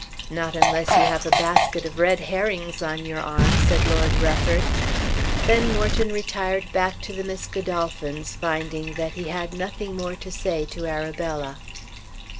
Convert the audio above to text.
"Not unless you have a basket of red herrings on your arm," said Lord Rufford. Then Morton retired back to the Miss Godolphins finding that he had nothing more to say to Arabella.